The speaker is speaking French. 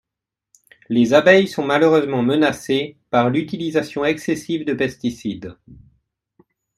Les abeilles sont malheureusement menacées par l'utilisation excessive de pesticides.